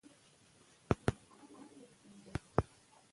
ادارې باید بې پرې عمل وکړي